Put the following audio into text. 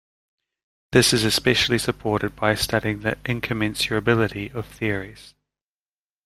This is especially supported by studying the incommensurability of theories.